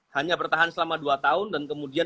hanya bertahan selama dua tahun dan kemudian